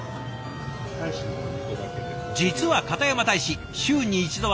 実は片山大使週に一度は食べたい